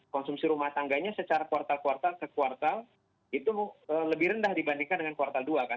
konsumsi rumah tangganya secara kuartal kuartal ke kuartal itu lebih rendah dibandingkan dengan kuartal dua kan